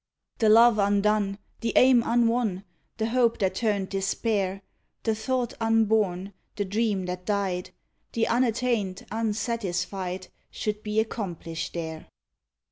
The love undone, the aim unwon, The hope that turned despair; The thought unborn; the dream that died; The unattained, unsatisfied, Should be accomplished there.